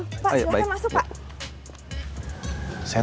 pak silahkan masuk pak